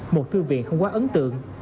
một thư viện không quá ấn tượng